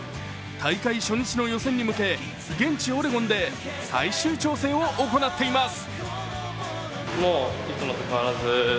大会初日の予選に向け、現地オレゴンで最終調整を行っています。